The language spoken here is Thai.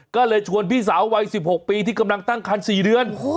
ก็เลยชวนพี่สาววัย๑๖ปีที่กำลังตั้งคัน๔เดือน